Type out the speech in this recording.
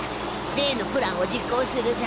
れいのプランを実行するぞ。